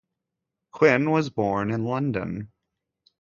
Quin was born in London.